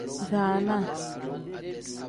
Zaana.